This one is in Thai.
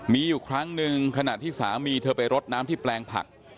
มีอยู่ครั้งหนึ่งขณะที่สามีเธอไปรดน้ำที่แปลงผัก